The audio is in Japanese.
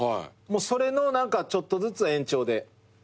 それのちょっとずつ延長で。